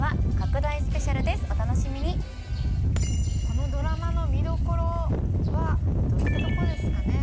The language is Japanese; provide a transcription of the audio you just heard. このドラマの見どころはどういったところですかね？